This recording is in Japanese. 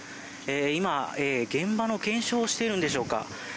今、現場の検証をしているんでしょうか。